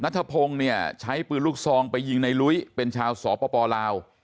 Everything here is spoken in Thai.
ธพงศ์เนี่ยใช้ปืนลูกซองไปยิงในลุ้ยเป็นชาวสปลาว